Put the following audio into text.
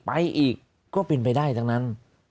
ไปอีกก็เป็นไปได้ทั้งนั้น